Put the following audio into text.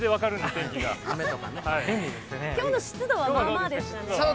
今日の湿度はまあまあですね？